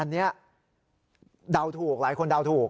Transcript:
อันเนี่ยดาวถูกหลายคนดาวถูก